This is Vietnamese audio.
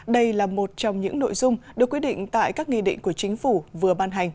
đây là một trong những nội dung được quyết định tại các nghị định của chính phủ vừa ban hành